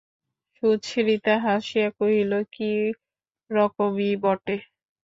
সুচরিতা হাসিয়া কহিল, কী রকমই বটে।